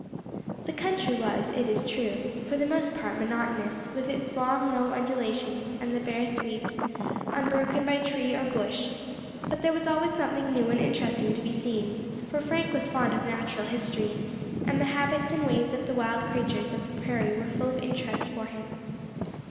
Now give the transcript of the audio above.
The country was, it is true, for the most part monotonous, with its long low undulations, and the bare sweeps, unbroken by tree or bush; but there was always something new and interesting to be seen, for Frank was fond of Natural History, and the habits and ways of the wild creatures of the prairie were full of interest for him.